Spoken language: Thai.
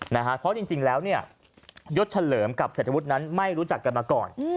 เพราะจริงแล้วเนี่ยยศเฉลิมกับเศรษฐวุฒินั้นไม่รู้จักกันมาก่อน